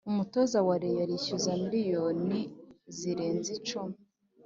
Umutoza wa reyo arishyuza miliyoni zirenga icumi